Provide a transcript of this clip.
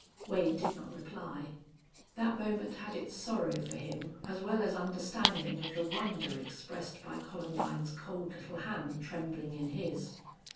Wade did not reply. That moment had its sorrow for him as well as understanding of the wonder expressed by Columbine's cold little hand trembling in his.